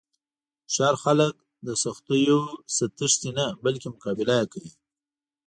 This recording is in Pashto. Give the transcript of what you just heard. هوښیار خلک له سختیو نه تښتي نه، بلکې مقابله یې کوي.